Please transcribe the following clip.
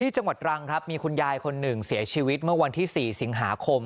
จังหวัดตรังครับมีคุณยายคนหนึ่งเสียชีวิตเมื่อวันที่๔สิงหาคม